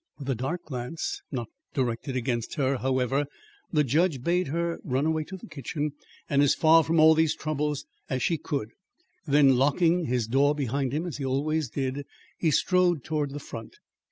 With a dark glance, not directed against her, however, the judge bade her run away to the kitchen and as far from all these troubles as she could, then, locking his door behind him, as he always did, he strode towards the front.